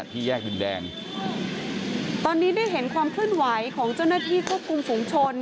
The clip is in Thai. ที่แยกดินแดงตอนนี้ได้เห็นความเคลื่อนไหวของเจ้าหน้าที่ควบคุมฝุงชน